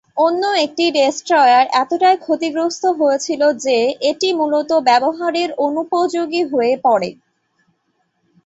অন্য একটি ডেস্ট্রয়ার এতটাই ক্ষতিগ্রস্ত হয়েছিল যে এটি মূলত ব্যবহারের অনুপযোগী হয়ে পড়ে।